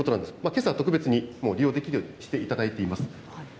けさは特別にもう利用できるようにしていただいています。